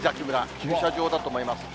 駐車場だと思います。